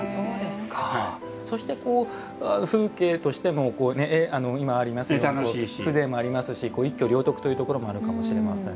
そして、風景としても今ありますように風情もありますし一挙両得というところもあるかもしれません。